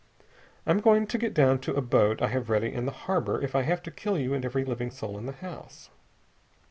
I'm going to get down to a boat I have ready in the harbor if I have to kill you and every living soul in the house!"